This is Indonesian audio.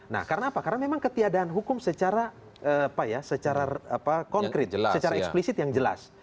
nah karena apa karena memang ketiadaan hukum secara konkret secara eksplisit yang jelas